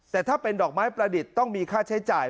แต่ถ้าเป็นดอกไม้ประดิษฐ์ต้องมีค่าใช้จ่าย